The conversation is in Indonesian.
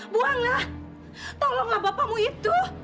buanglah tolonglah bapamu itu